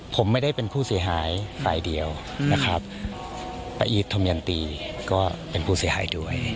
ผมไม่ได้เป็นผู้เสียหายฝ่ายเดียวนะครับป้าอีทธมยันตีก็เป็นผู้เสียหายด้วย